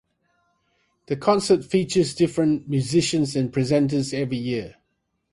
The concert features different Musicians and presenters every year.